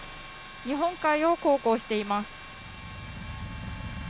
日本海を航行しています。